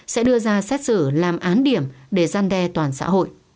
sẽ đưa ra xét xử làm án điểm để gian đe toàn xã hội